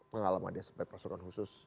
pengalaman dia sebagai pasukan khusus